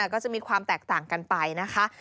ก็จะมีความแตกต่างกันไปนะคะ